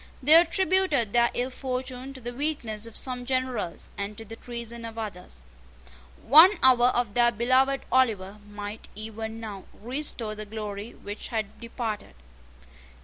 They attributed their ill fortune to the weakness of some generals, and to the treason of others. One hour of their beloved Oliver might even now restore the glory which had departed.